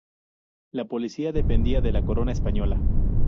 La policía dependía de la corona española.